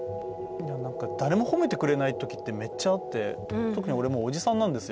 誰も褒めてくれないときってめっちゃあってとくに俺、もうおじさんなんですよ。